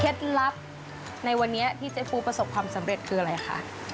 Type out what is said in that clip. ลับในวันนี้ที่เจ๊ฟูประสบความสำเร็จคืออะไรคะ